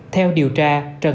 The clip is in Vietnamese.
theo điều tra